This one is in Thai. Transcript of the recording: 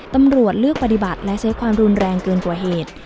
ตำรวจเลือกปฏิบัติและใช้ความรุนแรงเกินกว่าเหตุ